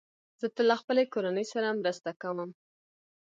زه تل له خپلې کورنۍ سره مرسته کوم.